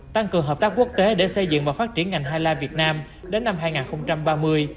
tăng cường hợp tác quốc tế để xây dựng và phát triển ngành hala việt nam đến năm hai nghìn ba mươi